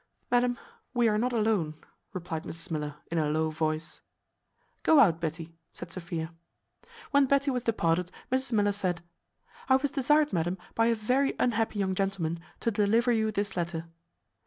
"Madam, we are not alone," replied Mrs Miller, in a low voice. "Go out, Betty," said Sophia. When Betty was departed, Mrs Miller said, "I was desired, madam, by a very unhappy young gentleman, to deliver you this letter."